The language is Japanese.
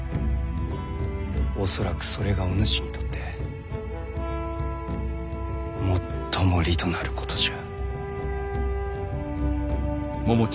恐らくそれがお主にとって最も利となることじゃ。